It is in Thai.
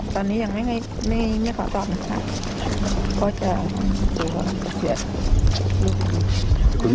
ตอนนี้ยังไม่มีขอตอบนะครับ